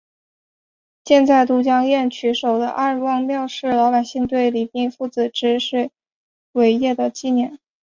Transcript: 建在都江堰渠首的二王庙是老百姓对李冰父子治水伟业的纪念。